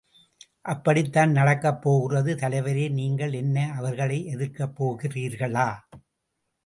அப்படித்தான் நடக்கப்போகிறது! தலைவரே, நீங்கள் என்ன அவர்களை எதிர்க்கப் போகிறீர்களா?